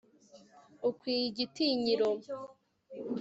ukwiye igitinyiro